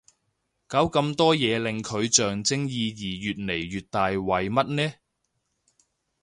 搞咁多嘢令佢象徵意義越嚟越大為乜呢